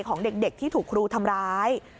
ของเด็กที่ถูกครูทำร้าย